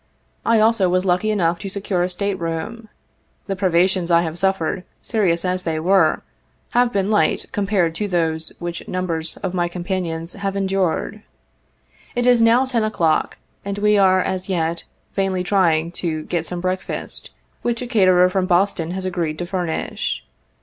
I also was lucky enough to secure a state room. The privations I have suffered, serious as they were, have been light compared to those which numbers of my companions have endured. It is now 10 o'clock, and we are as yet vainly trying to get some breakfast, which a caterer from Boston has agreed to furnish.